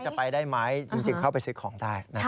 จะไปได้ไหมจริงเข้าไปซื้อของได้นะครับ